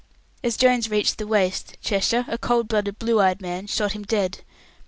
As Jones reached the waist, Cheshire, a cold blooded blue eyed man, shot him dead.